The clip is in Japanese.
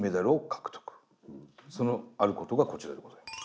そのあることがこちらでございます。